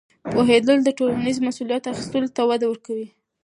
پوهېدل د ټولنیزې مسؤلیت اخیستلو ته وده ورکوي.